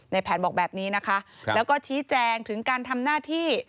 แผนบอกแบบนี้นะคะแล้วก็ชี้แจงถึงการทำหน้าที่